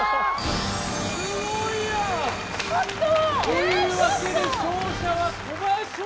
すごいやというわけで勝者は小林穂